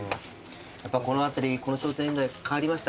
この辺りこの商店街変わりました？